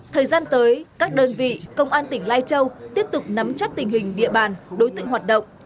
thời gian tới các đơn vị công an tỉnh lai châu tiếp tục nắm chắc tình hình địa bàn đối tượng hoạt động